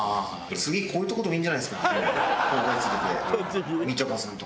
次こういうとこでもいいんじゃないですか？